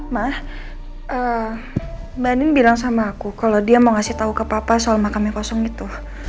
ma mbak nin bilang sama aku kalau dia mau ngasih tau ke papa soal mahkamah kosong itu